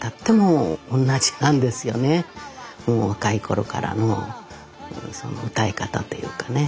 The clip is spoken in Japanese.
若い頃からの歌い方というかね。